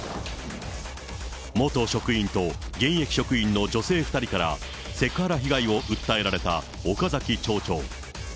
元職員と現役職員の女性２人から、セクハラ被害を訴えられた岡崎町長。